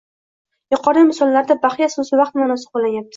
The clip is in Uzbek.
Yuqoridagi misollarda baxya soʻzi vaqt maʼnosida qoʻllanyapti